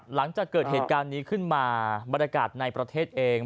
หลังจากเกิดเหตุการณ์นี้ขึ้นมาบรรยากาศในประเทศเอง